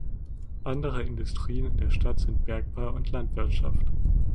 Andere Industrien in der Stadt sind Bergbau und Landwirtschaft.